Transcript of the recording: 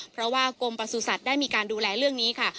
เพราะว่ากรมประสุทธิ์ได้มีการดูแลเรื่องนี้ค่ะ